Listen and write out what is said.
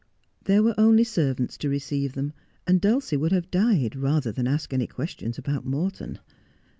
There were only servants to receive them, and Dulcie would have died rather than ask any questions about Morton.